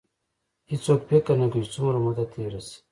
هېڅوک فکر نه کوي چې څومره موده تېره شي.